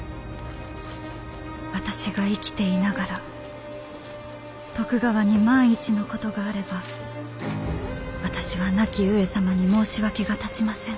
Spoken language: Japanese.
「私が生きていながら徳川に万一のことがあれば私は亡き上様に申し訳が立ちません。